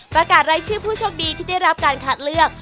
ประกาศรายชื่อผู้โชคดีที่ได้รับการคัดเลือก